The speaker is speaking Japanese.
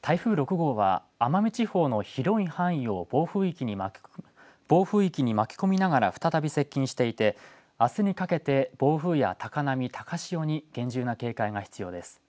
台風６号は奄美地方の広い範囲を暴風域に巻き込みながら再び接近していてあすにかけて暴風や高波、高潮に厳重な警戒が必要です。